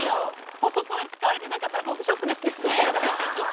放送で使われてなかったらほんとショックですよね。